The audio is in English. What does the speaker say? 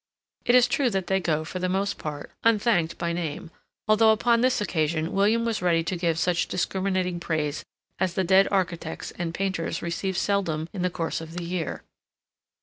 It is true that they go, for the most part, unthanked by name, although upon this occasion William was ready to give such discriminating praise as the dead architects and painters received seldom in the course of the year.